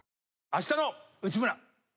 『あしたの内村！！』